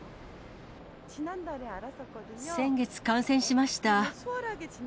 先月、感染しました。